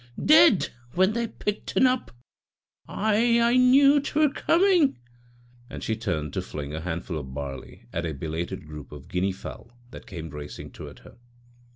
Dead when they picked un up. Aye, I knew 'twere coming." And she turned to fling a handful of barley at a belated group of guinea fowl that came racing toward her.